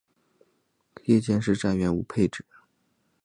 夜间是站员无配置。